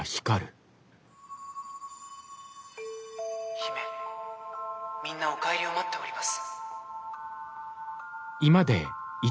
「姫みんなお帰りを待っております」。